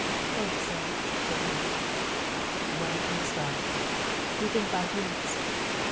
"Thanks, sir," said Harry. "When can you start?" "Within five minutes."